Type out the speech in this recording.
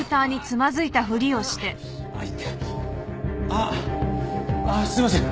ああすいません。